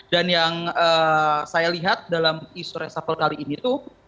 dan yang saya lihat dalam isu resafal kali ini itu